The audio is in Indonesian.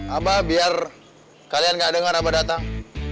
abah biar kalian gak denger abah datang